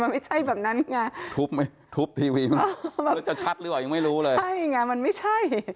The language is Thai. มันไม่ใช่แบบนั้นไงทุบไหมทุบทีวีหรือจะชัดหรือเปล่ายังไม่รู้เลยใช่ไงมันไม่ใช่